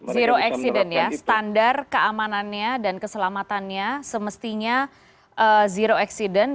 zero accident ya standar keamanannya dan keselamatannya semestinya zero accident